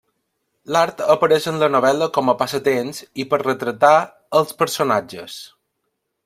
L'art apareix en la novel·la com a passatemps i per a retratar els personatges.